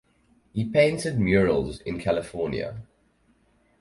He painted murals in California.